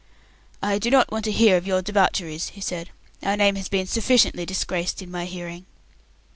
"I do not want to hear of your debaucheries," he said; "our name has been sufficiently disgraced in my hearing."